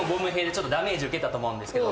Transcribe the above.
ちょっとダメージ受けたと思うんですけど。